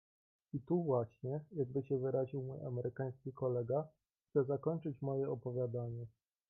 "I „tu właśnie“, jakby się wyraził mój amerykański kolega, chcę zakończyć moje opowiadanie."